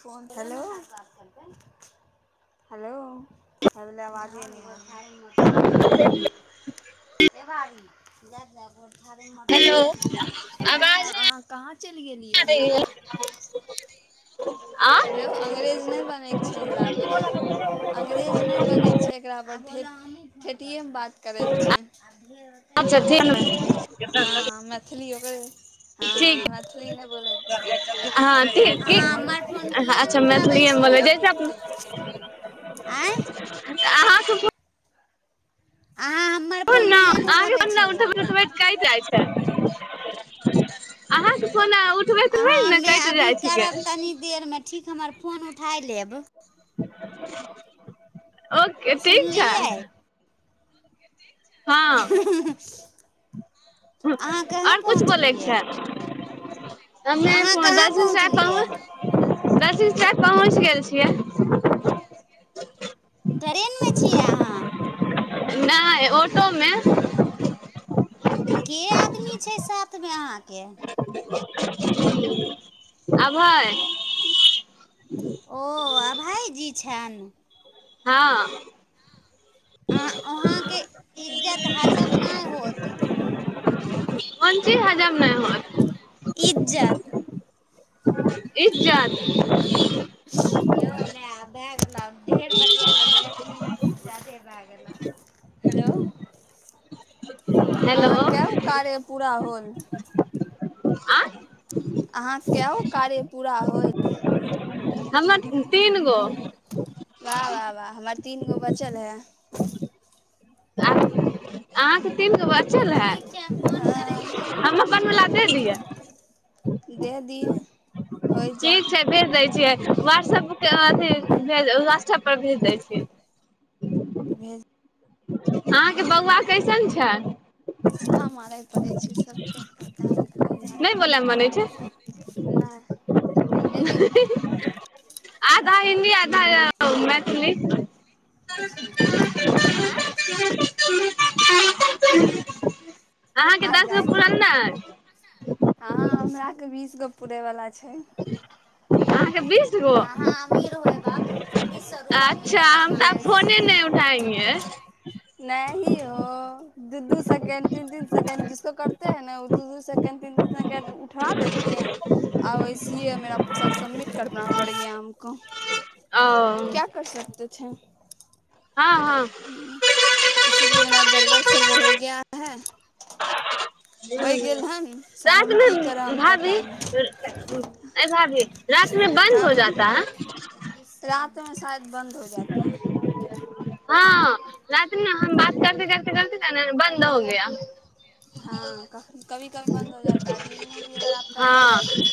हो हेलो हव आवाज प बढ़आँ छौ एबो आदमी जा जा हेलो हँ अहाँ कहाँ चलि गेलियै एलौ अंग्रेज नहि बनैके छै एकराप अंग्रेज नहि बनैके छै एकराप खेतीेमे बात करैके छै अच्छा ठीक हँ ठ किए नहि उठाबै छियै आँय [unintelligible] आे क जाइ छै अहाँ कोनाउ अहाँ हमे अभी करब तनि देरमे ठीक हमर फोन उठााय लेब [unintelligible] ओ ठीक छै अहाँ कहाँ पहुँचलियै ह अमे प द चता हँ बस स् तक पहुँच गेल छियै ट्रेनमे छियै अहाँ नहि ऑटोमे के आदमी छै साथमे अहाँके अभय ओ अ भाइजी छनि हँ अह अहाँके इज्जत हजम नहि होत कोन ची हजाम नहि हर इज्जत इजत एो ने आ बग ढेर बतििया लेलहुँ एक मिनटसँ जादे भए गेला हेलो अहाँ कहु कार्य पूरा होत ह आ अहाँ सभके आ कार्य पूरा होय न तीन गो वाह वाह वाह हमर तीन गो बचल है अहाँकेन ठीक छै फोन कर अहाँके दे दियै ठीक छै भेज दै छियै वहाट्सप के अथीे वाट्सऐप पर भेज दै छिय अहाँके बौआ कैसन छै हस्का मारय पड़ै छै सभकेँ पता ही कोइ बात नहि आ हिन्दी मैथिली ह आ जायत हँ हमरा के बीस गो पूुरे वालला छै आ हबीस अाँ अमीर हो है बाप चौबीस सए रुपआ मिलत अहके नहि ओ द दू सेकें्ड तीन तीन सेकं्ड जिको करेै न दू दू सेकेंड तीन तीन सेकं्ड उठा लेती है आओर ओहिस [unintelligible] प्रियामके क्य कर सकत अ छै ह इसीलिए हमरा गड़बड़ सड़बड़ हो गया है ह रात नहि भभी नहि भभी रति में बन्द हो जाता है त बन्द हो जाता है हँ रात ने हम बात करते करते करते बन्द हो गया हँ कभी कभी बन्द हो जाता ह दिनमे भी अगर आपक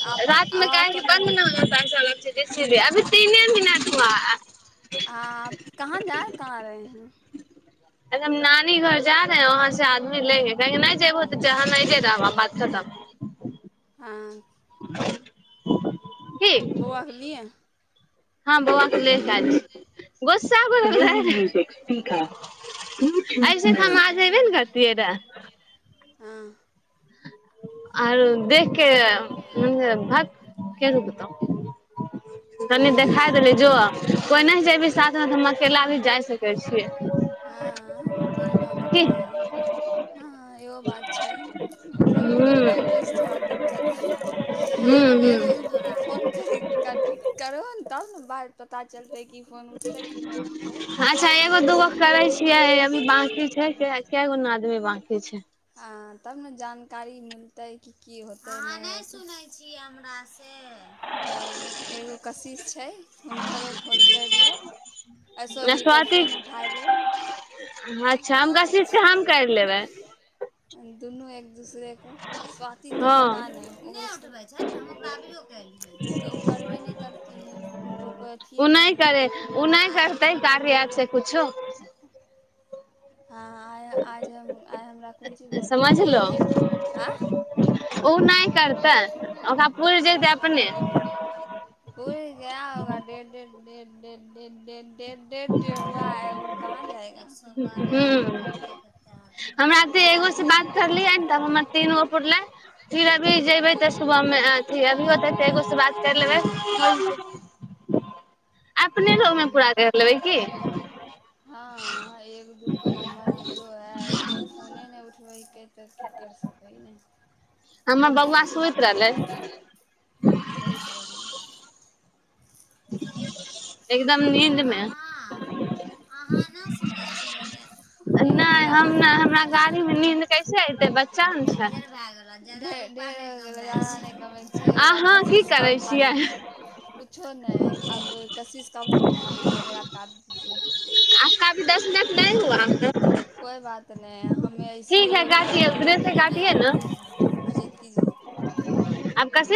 आप अगर तने दिनथआ आ कहाँ जा कहाँ रहे हैं अ हम नानी घर जा रहे हैं वहाँ से आदमी लेंगे कह नहि जेबहो तऽ नहि ज रह बात खतम आ ह बौआके लिए हँ बौआ ख ल ल गोस्सा ठीक ह ऐसे तऽ हम आज अयबे ने करतियै रऽ आर देखके म भाग क रुक त तनी देखा देली जो कोई नहि जेबी साथमे तऽ हम अकेला भी जाइ सक कै छ हँ ई बात भी हइ हँ इहो बात छै मतलब लैंग्वेज थोड़ा दिक्कत हइ एक दू फोन करि कर करहो ने तब ने बात पता चलतै कि फोन उठतै किी नहि उठतै ै छियै अभी बकी छै क गोना आदमी बकी छै अ तब ने जानकारी मिलते क की होते सुनै छी हमरा हँ एगो कशिश छै हुनकरो फोन करि लेब आ सॉरी ओकर फोन उठा लेब हम छ दुनू एक दूसरेके स्वात तो पता नहि उबै छै ओकरा अबिय ओ करबे नहि करतीहै हुनको कोइ अथिए नहि हैा ओ हँ आइ आज हम आइ हमरााखुंची बोल रहले छी कि आँय करता ओकरा पुल जतै अपने ओल का होगा डेढ़ डेढ़ देन देर देन देन ह हमरा तऽ एगो से बात करलियै तऽ हमर तीन गो पुरले फिर अभी जेबे सुबह मे अथी अभी होते त एगो से बात कर लेबै अपने लोग में पूरा कर हँ एक दू को नम्बर हमरो है कोइ फोने नहि उठबै हिक तऽ की करि सकै ने हम भगवान सुूहित्रले [inaudible] अह अहाँ नहि सुन छ ढेर भए गेल ब कशिशा उठा लीजे कुछो नहि अब कशिश का फोन जे मेरा पातजी कोइ बात नहि हम सीो लगता है कजी आब कसे